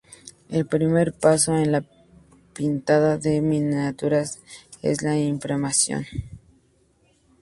El primer paso en el pintado de miniaturas es la imprimación.